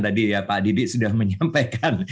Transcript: tadi ya pak didik sudah menyampaikan